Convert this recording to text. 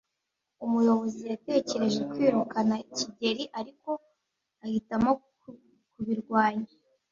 Umuyobozi yatekereje kwirukana kigeli, ariko ahitamo kubirwanya.